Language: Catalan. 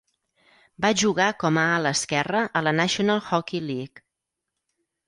Va jugar com a ala esquerre a la National Hockey League.